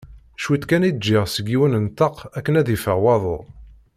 Cwiṭ kan i d-ǧǧiɣ seg yiwen n ṭṭaq akken ad yeffeɣ wabbu.